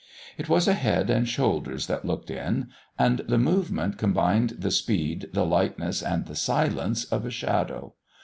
It was a head and shoulders that looked in, and the movement combined the speed, the lightness and the silence of a shadow.